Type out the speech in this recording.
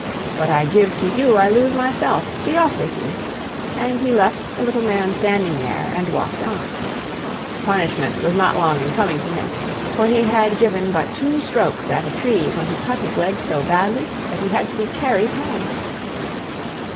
"What I give to you I lose myself be off with you," and he left the little man standing there, and walked on. Punishment was not long in coming to him, for he had given but two strokes at a tree when he cut his leg so badly that he had to be carried home.